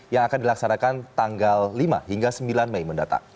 yang akan dilaksanakan tanggal lima hingga sembilan mei mendatang